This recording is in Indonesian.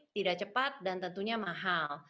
tidak cepat dan tentunya mahal